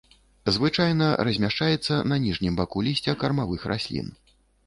Звычайна размяшчаецца на ніжнім баку лісця кармавых раслін.